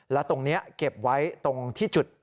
แล้วตรงนี้เก็บไว้ตรงที่จุด